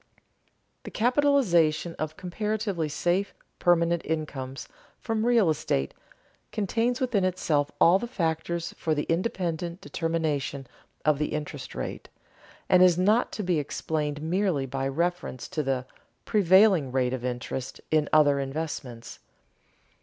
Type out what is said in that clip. _The capitalization of comparatively safe permanent incomes from real estate contains within itself all the factors for the independent determination of the interest rate, and is not to be explained merely by reference to "the prevailing rate of interest" in other investments.